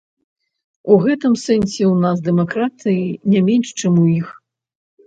У гэтым сэнсе ў нас дэмакратыі не менш, чым у іх.